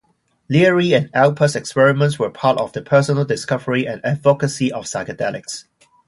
Leary and Alpert's experiments were part of their personal discovery and advocacy of psychedelics.